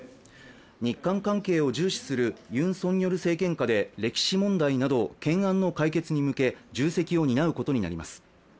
日韓関係を重視するユン・ソンニョル政権下で歴史問題など、懸案の解決に向け重責を担うことになります。